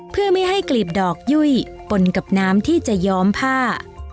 เพื่อไม่ให้กลีบดอกยุ่ยปนกับน้ำที่จะย้อมผ้า